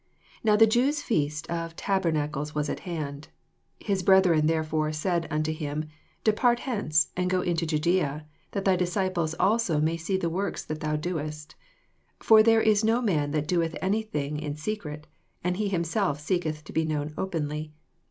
2 Now the Jaws' feast of tabernacles was at hand. 3 His brethren therefore said nnto him, Depart henoe, and go into JndsBa, that thj disciples also may see the works that thou doest. 4 For therB is no man that doeth any thing in secret, and he himself seeketh to be known openly.